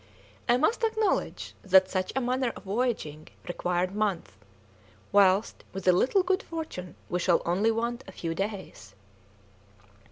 I must acknowledge that such a manner of voyaging required months, whilst with a little good fortune we shall only want a few days."